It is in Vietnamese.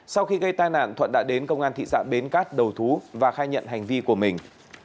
sau khi gây tai nạn thuận đã đến công an thị xã bến cát đầu thú và khai nhận hành vi của mình